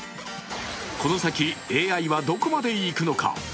この先、ＡＩはどこまでいくのか。